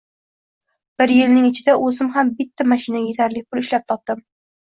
Bir yilning ichida o`zim ham bitta mashinaga etarli pul ishlab topdim